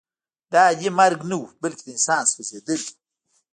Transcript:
دا عادي مرګ نه و بلکې د انسان سوځېدل وو